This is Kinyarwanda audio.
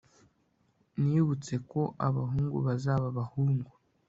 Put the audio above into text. Nibutse ko abahungu bazaba abahungu